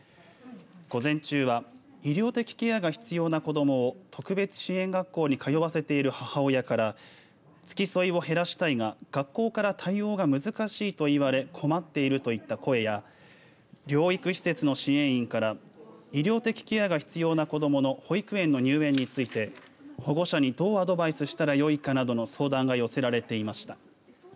午前中は医療的ケアが必要な子どもを特別支援学校に通わせている母親から付き添いを減らしたいが学校から対応が難しいといわれ困っているといった声や療育施設の支援員から医療的ケアが必要な子どもの保育園の入園について保護者にどうアドバイスしたらよいかなどの相談が寄せられていました。